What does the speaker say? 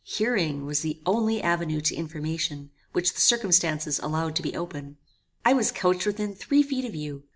Hearing was the only avenue to information, which the circumstances allowed to be open. I was couched within three feet of you.